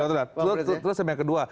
tertunda terus yang kedua